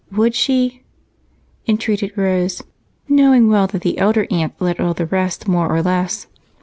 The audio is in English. Would she?" entreated Rose, knowing well that the elder aunt led all the rest more or less.